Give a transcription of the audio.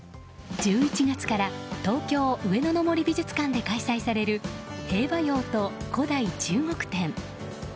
１１月から東京・上野の森美術館で開催される、兵馬俑と古代中国展。